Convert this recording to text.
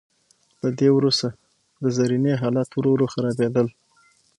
له دې احوال وروسته د زرینې حالات ورو ورو خرابیدل.